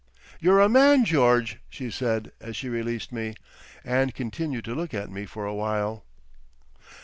"You're a man, George," she said, as she released me, and continued to look at me for a while.